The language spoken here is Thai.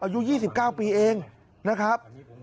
อายุ๒๙ปีเองนะครับ